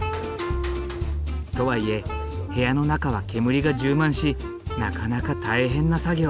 とはいえ部屋の中は煙が充満しなかなか大変な作業。